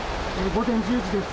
午前１０時です。